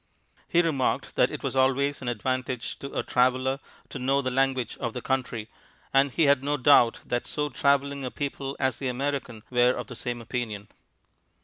He remarked that it was always an advantage to a traveller to know the language of the country, and he had no doubt that so travelling a people as the American were of the same opinion.